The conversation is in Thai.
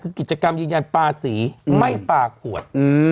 คือกิจกรรมยืนยันปลาสีไม่ปลาขวด